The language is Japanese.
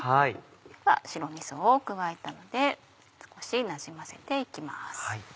では白みそを加えたので少しなじませて行きます。